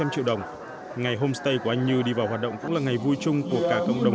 triệu đồng ngày homestay của anh như đi vào hoạt động cũng là ngày vui chung của cả cộng đồng